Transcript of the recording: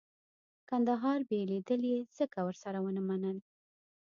کندهار بېلېدل یې ځکه ورسره ونه منل.